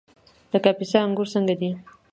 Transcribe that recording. د کاپیسا انګور څنګه دي؟